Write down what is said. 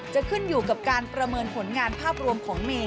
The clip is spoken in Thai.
จะขึ้นอยู่กับการประเมินผลงานภาพรวมของเมย์